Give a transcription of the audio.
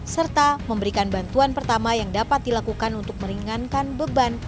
serta memberikan bantuan pertama yang dapat dilakukan untuk meringankan beban